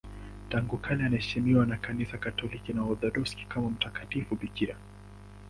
Tangu kale anaheshimiwa na Kanisa Katoliki na Waorthodoksi kama mtakatifu bikira.